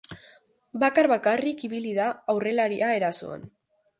Bakar-bakarrik ibili da aurrelaria erasoan.